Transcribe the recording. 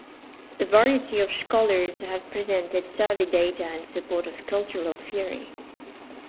A variety of scholars have presented survey data in support of Cultural Theory.